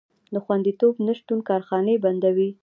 د خوندیتوب نشتون کارخانې بندوي.